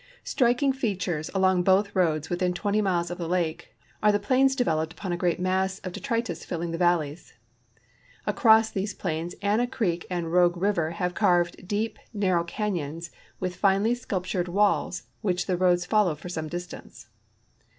Striking features along both roads, within 20 miles of the lake, are the plains developed upon a great mass of detritus filling the valleys. Across these ))lains Anna creek and Rogue river have carved deep, narrow canj'ons with finely sculptured walls, which the roads follow for some distance.